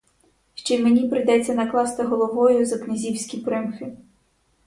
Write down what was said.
Ще й мені прийдеться накласти головою за князівські примхи.